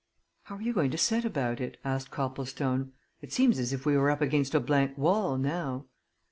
"How are you going to set about it?" asked Copplestone. "It seems as if we were up against a blank wall, now."